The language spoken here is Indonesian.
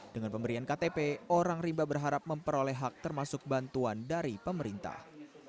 dengan pemberian ktp orang rimba berharap memperoleh hak termasuk bantuan dari pemerintah